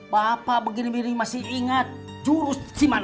bapak begini begini masih ingat jurus si mana